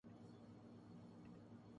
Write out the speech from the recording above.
محض آرام کررہے تھے